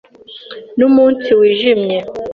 Numunsi wijimye.